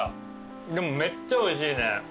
でもめっちゃおいしいね。